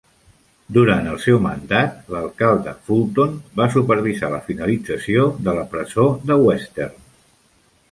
Durant el seu mandat, l'alcalde Fulton va supervisar la finalització de la presó de Western.